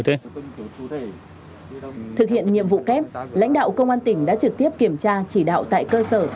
thực hiện nhiệm vụ kép lãnh đạo công an tỉnh đã trực tiếp kiểm tra chỉ đạo tại cơ sở